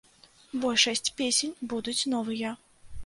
Большасць песень будуць новыя.